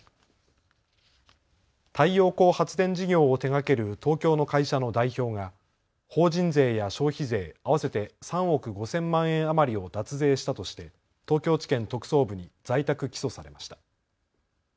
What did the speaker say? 太陽光発電事業を手がける東京の会社の代表が法人税や消費税、合わせて３億５０００万円余りを脱税したとして東京地検特捜部に在宅起訴されました。